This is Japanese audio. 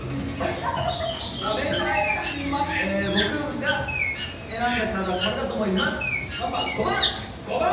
僕が選んだカードはこれだと思います、５番！